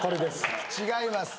違います